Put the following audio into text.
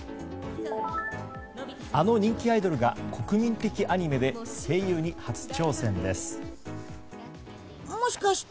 あの人気アイドルが国民的アニメで声優に初挑戦しました。